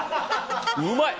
うまい！